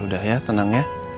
udah ya tenang ya